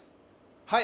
はい。